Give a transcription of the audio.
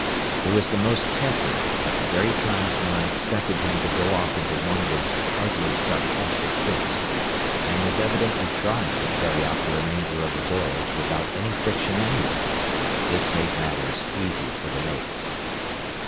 He was the most temperate at the very times when I expected him to go off into one of his ugly sarcastic fits, and was evidently trying to carry out the remainder of the voyage without any friction anywhere. This made matters easy for the mates.